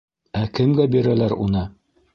Ә кемгә бирәләр уны?